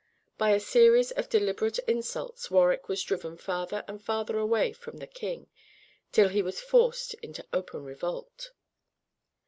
By a series of deliberate insults Warwick was driven farther and farther away from the king, till he was forced into open revolt.